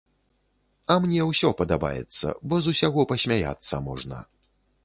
А мне ўсё падабаецца, бо з усяго пасмяяцца можна.